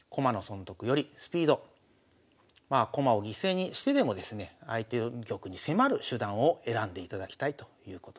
まあ駒を犠牲にしてでもですね相手玉に迫る手段を選んでいただきたいということですね。